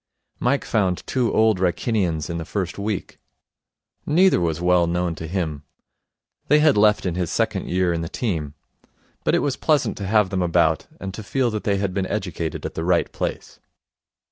Mike found two Old Wrykinians in the first week. Neither was well known to him. They had left in his second year in the team. But it was pleasant to have them about, and to feel that they had been educated at the right place.